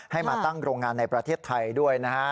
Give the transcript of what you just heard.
ให้มาตั้งโรงงานในประเทศไทยด้วยนะฮะ